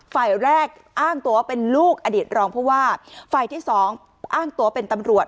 ฝ่ายแรกอ้างตัวว่าเป็นลูกอดีตรองผู้ว่าฝ่ายที่สองอ้างตัวเป็นตำรวจ